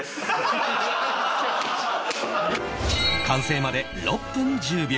完成まで６分１０秒